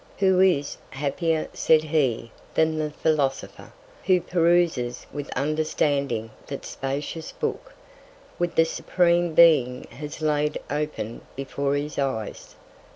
Who is happier, said he, than the Philosopher, who peruses with Understanding that spacious Book, which the supreme Being has laid open before his Eyes?